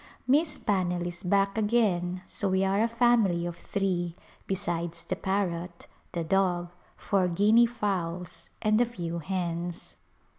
Miss Pannell is back again so we are a family of three, besides the parrot, the dog, four guinea fowls and a few hens.